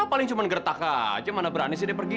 paling cuma gertak aja mana berani sih dia pergi